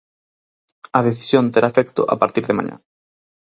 A decisión terá efecto a partir de mañá.